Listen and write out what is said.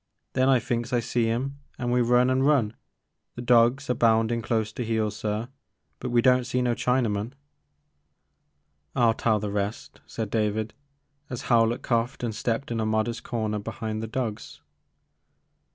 Then I thinks I see *im an' we run an* run, the dawgs a boundin' close to heel sir, but we don't see no Chinaman." I '11 tell the rest, said David, as Howlett coughed and stepped in a modest comer behind the dogs.